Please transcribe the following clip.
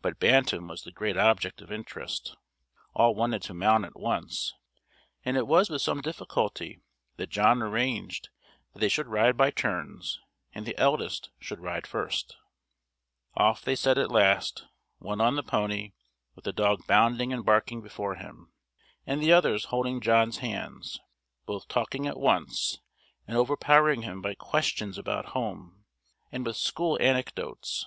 But Bantam was the great object of interest; all wanted to mount at once; and it was with some difficulty that John arranged that they should ride by turns, and the eldest should ride first. Off they set at last; one on the pony, with the dog bounding and barking before him, and the others holding John's hands; both talking at once, and overpowering him by questions about home, and with school anecdotes.